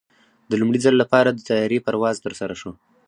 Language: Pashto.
د لومړي ځل لپاره د طیارې پرواز ترسره شو.